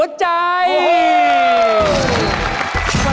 คุณแคลรอนครับ